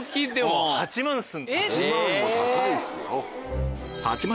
８万も高いっすよ。